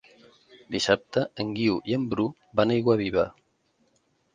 Dissabte en Guiu i en Bru van a Aiguaviva.